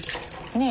ねえ。